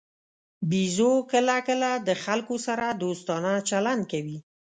بیزو کله کله د خلکو سره دوستانه چلند کوي.